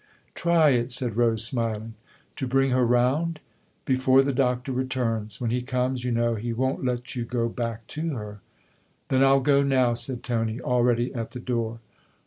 " Try it," said Rose, smiling. " To bring her round ?"" Before the Doctor returns. When he comes, you know, he won't let you go back to her." "Then I'll go now," said Tony, already at the door.